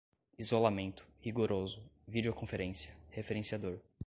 isolamento, rigoroso, videoconferência, referenciador